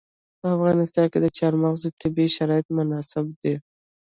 په افغانستان کې د چار مغز لپاره طبیعي شرایط مناسب دي.